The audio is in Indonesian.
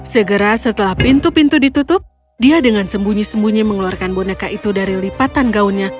segera setelah pintu pintu ditutup dia dengan sembunyi sembunyi mengeluarkan boneka itu dari lipatan gaunnya